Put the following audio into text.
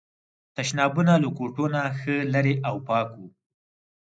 تشنابونه له کوټو نه ښه لرې او پاک وو.